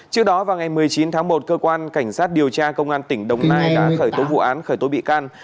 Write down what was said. trước đó vào ngày một mươi chín tháng một công an tỉnh đồng nai đã khởi tố vụ án khởi tố bị can